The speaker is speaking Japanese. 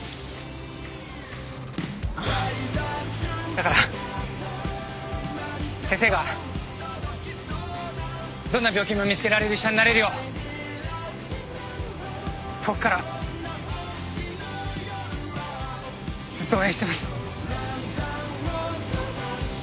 だから先生がどんな病気も見つけられる医者になれるよう遠くからずっと応援してます。